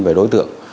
về đối tượng